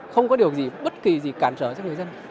không có điều gì bất kỳ gì cản trở cho người dân